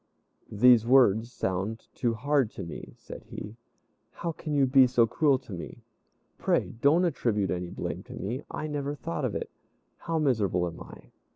"These words sound too hard to me," said he. "How can you be so cruel to me? Pray don't attribute any blame to me; I never thought of it. How miserable am I!"